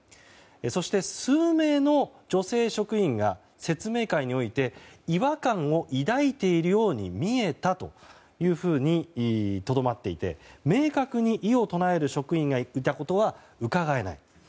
そして、数名の女性職員が説明会において違和感を抱いているように見えたというふうにとどまっていて、明確に異を唱える職員がいたことはうかがえない。